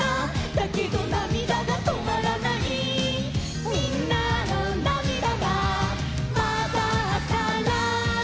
「だけどなみだがとまらない」「みんなのなみだがまざったら」